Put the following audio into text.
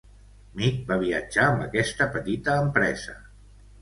Meek va viatjar amb aquesta petita empresa.